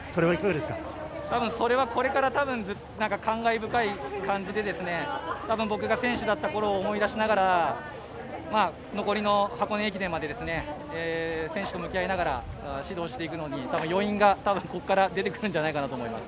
それはこれから感慨深い感じで、僕が選手だった頃を思い出しながら、残りの箱根駅伝まで選手と向き合いながら指導していくのに、ここから余韻が出てくると思います。